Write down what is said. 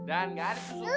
dan enggak ada susu